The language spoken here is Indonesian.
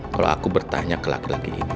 kalau aku bertanya ke lo